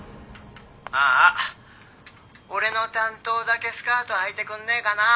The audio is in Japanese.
「あーあ俺の担当だけスカートはいてくんねえかな」